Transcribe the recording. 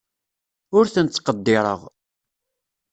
Ur ten-ttqeddireɣ.